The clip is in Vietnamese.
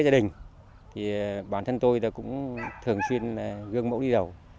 gia đình thì bản thân tôi cũng thường xuyên gương mẫu đi đầu